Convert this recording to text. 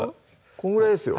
こんぐらいですよ